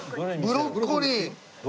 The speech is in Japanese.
ブロッコリー。